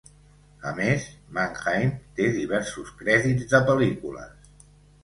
A més, Manheim té diversos crèdits de pel·lícules.